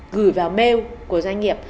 gửi vào mail của doanh nghiệp